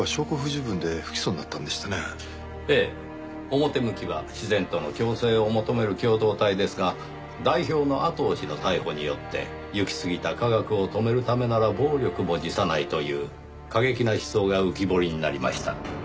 表向きは自然との共生を求める共同体ですが代表の阿藤氏の逮捕によって行きすぎた科学を止めるためなら暴力も辞さないという過激な思想が浮き彫りになりました。